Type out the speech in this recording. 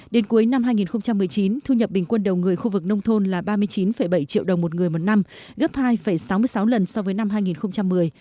đến cuối năm hai nghìn một mươi chín thu nhập bình quân đầu người khu vực nông thôn là ba mươi chín bảy triệu đồng một người một năm gấp hai sáu mươi sáu lần so với năm hai nghìn một mươi